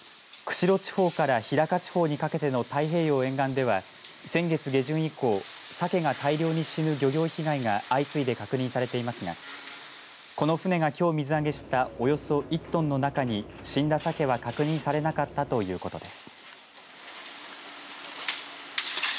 釧路地方から日高地方にかけての太平洋沿岸では先月下旬以降サケが大量に死ぬ漁業被害が相次いで確認されていますがこの船が、きょう水揚げしたおよそ１トンの中に死んだサケは確認されなかったということです。